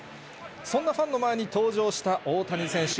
そんなファンの前に登場した大谷選手。